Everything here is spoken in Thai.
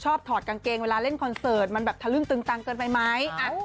ถอดกางเกงเวลาเล่นคอนเสิร์ตมันแบบทะลึ่งตึงตังเกินไปไหม